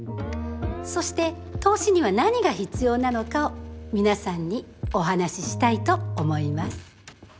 そして投資には何が必要なのかを皆さんにお話ししたいと思います。